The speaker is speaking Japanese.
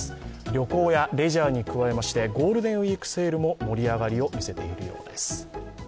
旅行やレジャーに加えましてゴールデンウイークセールも盛り上がりを見せているようです。